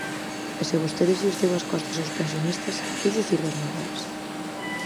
E se vostede lles deu as costas aos pensionistas, ¿que dicir das mulleres?